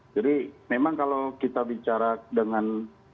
jadi memang kalau kita bicara dengan